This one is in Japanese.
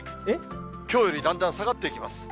きょうよりだんだん下がっていきます。